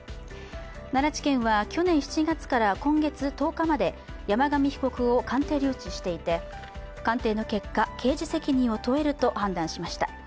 奈良地検は去年７月から今月１０日まで山上被告を鑑定留置していて鑑定の結果、刑事責任を問えると判断しました。